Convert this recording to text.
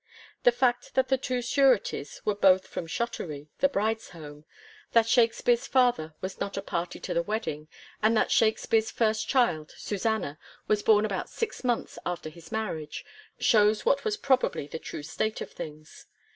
The fact that the two sureties were both from Shottery, the bride's home, that Shakspere's father was not a party to the wedding, and that Shakspere's first child, Susanna, was born about six months after his marriage, shows what was probably the true state of things.